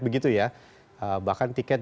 begitu ya bahkan tiket